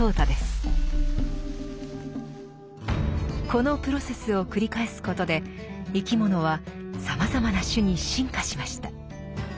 このプロセスを繰り返すことで生き物はさまざまな種に進化しました。